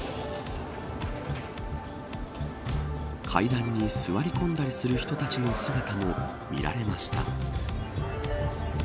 階段に座り込んだりする人たちの姿も見られました。